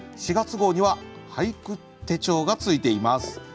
４月号には「俳句手帖」がついています。